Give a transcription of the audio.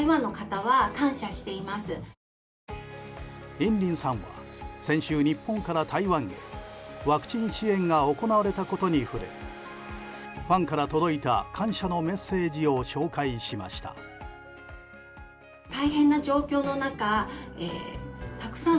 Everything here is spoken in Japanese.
インリンさんは先週、日本から台湾へワクチン支援が行われたことに触れファンから届いた感謝のメッセージを紹介しました。